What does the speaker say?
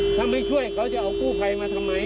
ถ้าไม่ช่วยเขาจะเอากู้ภัยมาทำไม